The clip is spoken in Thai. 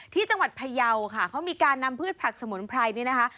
ที่จังหวัดพยาวค่ะเขามีการนำพืชผักสมุนไพรนี่นะคะ